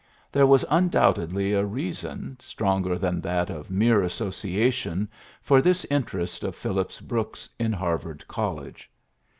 There was undoubtedly a reason, stronger than that of mere association, for this interest of Phillips Brooks in Harvard College.